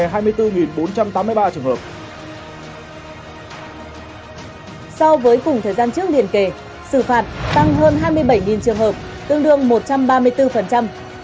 sau với cùng thời gian trước liền kể sự phạt tăng hơn hai mươi bảy trường hợp tương đương một trăm ba mươi bốn